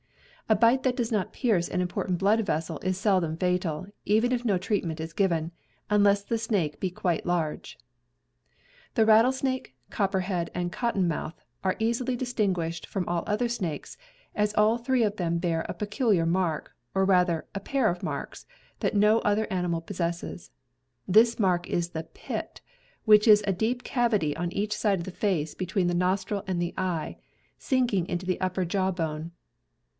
A bite that does not pierce an important blood vessel is seldom fatal, even if no treatment is given, unless the snake be quite large. The rattlesnake, copperhead, and cottonmouth are easily distinguished from all other snakes, as all three ACCIDENTS 313 of them bear a peculiar mark, or rather a pair of marks, that no other animal possesses. This mark is the jyit, which is a deep cavity on each side of the face between the nostril and the eye, sinking into the upper jaw bone.